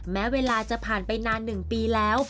แม้เวลาจะผ่านไปนาน๑ปีแล้ว